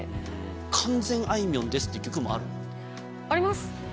完全あいみょんですっていうあります。